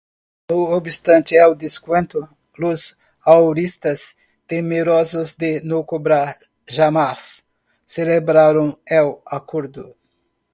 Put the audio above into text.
No obstante el descuento, los ahorristas, temerosos de no cobrar jamás, celebraron el acuerdo.